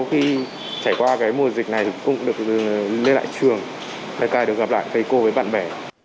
khi trải qua cái mùa dịch này thì cũng được lên lại trường thầy được gặp lại thầy cô với bạn bè